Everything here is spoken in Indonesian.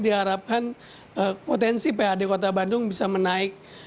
diharapkan potensi pad kota bandung bisa menaik